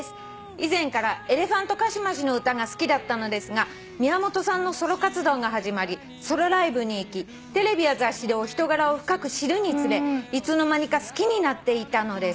「以前からエレファントカシマシの歌が好きだったのですが宮本さんのソロ活動が始まりソロライブに行きテレビや雑誌でお人柄を深く知るにつれいつの間にか好きになっていたのです」